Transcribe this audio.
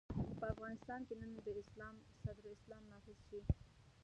که په افغانستان کې نن د اسلام صدر اسلام نافذ شي.